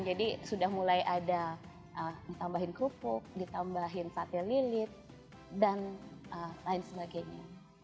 jadi sudah mulai ada ditambahin kerupuk ditambahin sate lilit dan lain sebagainya